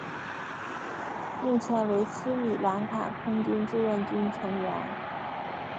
目前为斯里兰卡空军志愿军成员。